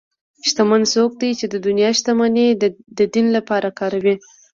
شتمن څوک دی چې د دنیا شتمني د دین لپاره کاروي.